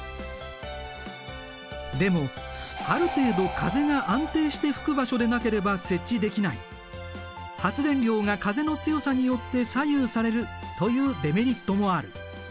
でもある程度風が安定して吹く場所でなければ設置できない発電量が風の強さによって左右されるというデメリットもある。